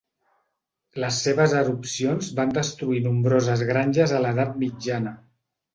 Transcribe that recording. Les seves erupcions van destruir nombroses granges a l'edat mitjana.